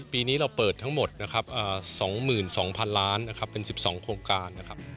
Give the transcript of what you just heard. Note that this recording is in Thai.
ปีนี้เราเปิดทั้งหมด๒๒๐๐๐ล้านเป็น๑๒โครงการ